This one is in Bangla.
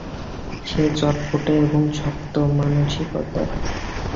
সে চটপটে এবং শক্ত মানসিকতার।